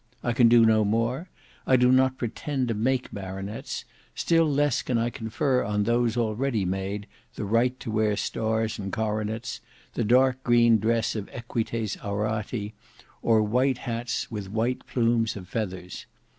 I can do no more; I do not pretend to make baronets, still less can I confer on those already made the right to wear stars and coronets, the dark green dress of Equites aurati, or white hats with white plumes of feathers.